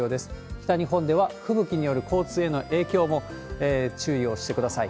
北日本では吹雪による交通への影響も注意をしてください。